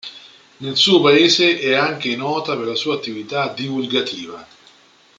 Nel suo paese è anche nota per la sua attività divulgativa.